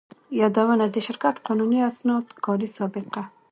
يادونه: د شرکت قانوني اسناد، کاري سابقه،